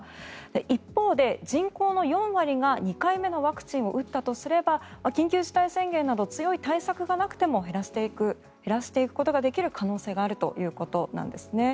一方で人口の４割が２回目のワクチンを打ったとすれば緊急事態宣言など強い対策がなくても減らしていくことができる可能性があるということです。